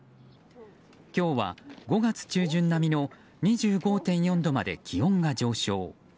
今日は、５月中旬並みの２５．４度まで気温が上昇。